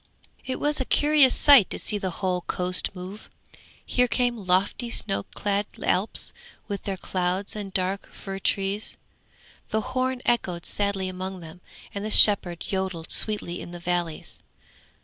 It was a curious sight to see the whole coast move. Here came lofty snow clad Alps, with their clouds and dark fir trees. The horn echoed sadly among them, and the shepherd yodelled sweetly in the valleys.